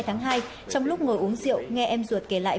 trong lúc ngồi uống rượu nghe em ruột kể lại